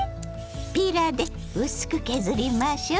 ピーラーで薄く削りましょう。